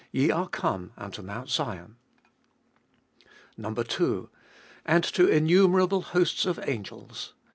Ye are come unto Mount Sion. 2. And to innumerable hosts of angels.